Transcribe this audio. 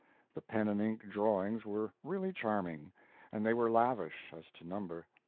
The pen and ink drawings were really charming, and they were lavish as to number.